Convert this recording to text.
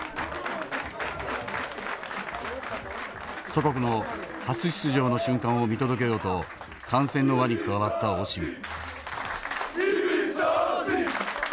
祖国の初出場の瞬間を見届けようと観戦の輪に加わったオシム。